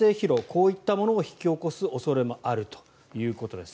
こういったものを引き起こす恐れもあるということです。